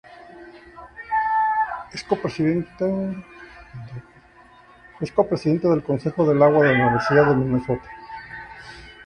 Es copresidenta del Consejo del Agua de la Universidad de Minnesota.